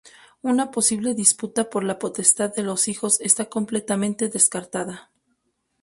Una posible disputa por la potestad de los hijos está completamente descartada.